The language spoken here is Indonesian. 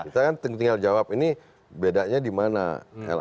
kita kan tinggal jawab ini bedanya di mana